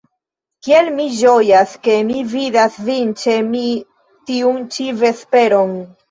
Kiel mi ĝojas, ke mi vidas vin ĉe mi tiun ĉi vesperon.